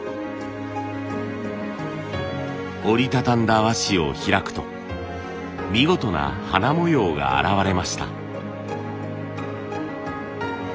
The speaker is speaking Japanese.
折り畳んだ和紙を開くと見事な花模様が現れました。